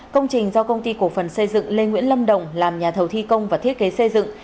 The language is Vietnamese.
công trình do công ty cổ phần xây dựng lê nguyễn lâm đồng làm nhà thầu thi công và thiết kế xây dựng